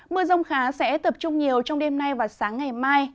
mưa rông khá sẽ tập trung nhiều trong đêm nay và sáng ngày mai